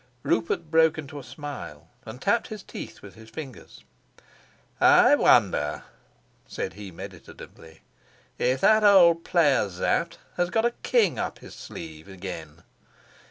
Rupert broke into a smile and tapped his teeth with his fingers. "I wonder," said he meditatively, "if that old player Sapt has got a king up his sleeve again!